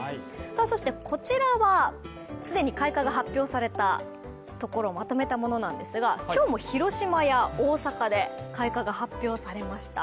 そして、こちらは既に開花が発表されたところをまとめたものなんですが、今日も広島や大阪で開花が発表されました。